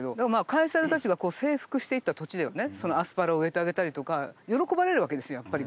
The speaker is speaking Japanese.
カエサルたちが征服していった土地ではねそのアスパラを植えてあげたりとか喜ばれるわけですよやっぱり。